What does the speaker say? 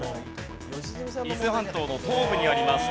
伊豆半島の東部にあります。